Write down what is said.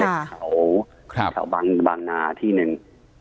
เล็กเขาแถวบางนาที่นึง